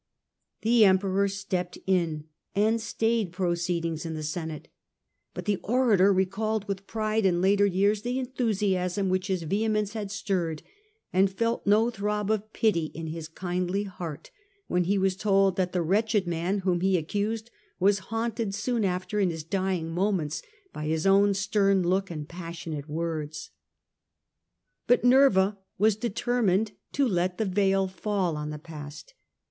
The Emperor stepped in, and stayed proceedings in the senate; but the orator recalled with pride in later years the enthusiasm which his vehemence had stirred, and felt no throb of pity in his kindly heart when he was told that the wretched man whom he accused was haunted soon after in his dying moments by his own stern look and passionate words. But Nerva was determined to let the veil fall on the past.